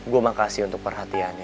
gue makasih untuk perhatian